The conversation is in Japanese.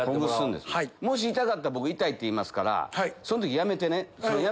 もし痛かったら僕痛いって言いますからその時やめてね。